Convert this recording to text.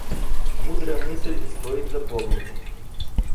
Мудрая мысль, стоит запомнить.